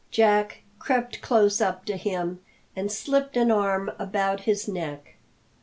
Jack crept close up to him and slipped an arm about his neck.